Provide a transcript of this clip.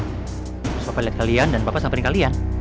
terus papa liat kalian dan papa samperin kalian